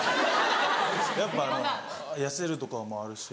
やっぱ痩せるとかもあるし。